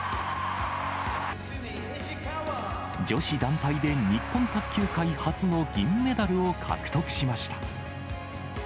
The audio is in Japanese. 女子団体で日本卓球界初の銀メダルを獲得しました。